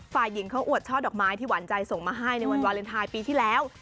ฝ่ายหญิงเขาอวดช่อดอกไม้ที่หวานใจส่งมาให้ในวันวาเลนไทยปีที่แล้ว